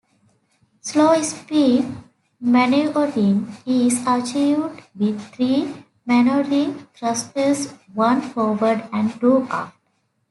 Slow speed manoeuvring is achieved with three manoeuvring thrusters, one forward and two aft.